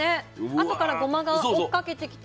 あとからゴマが追っかけてきて。